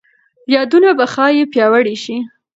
یادونه به ښايي پیاوړي شي.